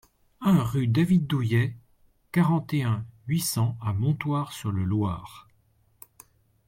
un rue David Douillet, quarante et un, huit cents à Montoire-sur-le-Loir